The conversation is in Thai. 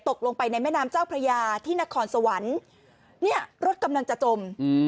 ตกลงไปในแม่น้ำเจ้าพระยาที่นครสวรรค์เนี่ยรถกำลังจะจมอืม